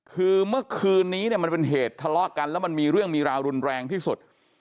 คือเมื่อคืนนี้เนี่ยมันเป็นเหตุทะเลาะกันแล้วมันมีเรื่องมีราวรุนแรงที่สุด